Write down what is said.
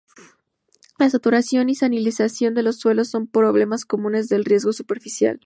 La saturación y salinización de los suelos son problemas comunes del riego superficial.